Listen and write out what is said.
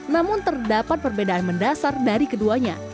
namun terdapat perbedaan mendasar dari keduanya